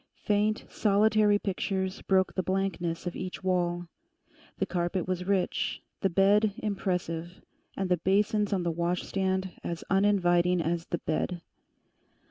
Faint, solitary pictures broke the blankness of each wall. The carpet was rich, the bed impressive, and the basins on the washstand as uninviting as the bed.